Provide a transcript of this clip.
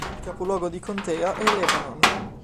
Il capoluogo di contea è Lebanon